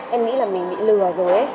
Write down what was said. em nghĩ là mình bị lừa rồi